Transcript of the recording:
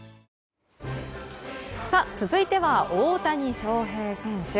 さあ、続いては大谷翔平選手。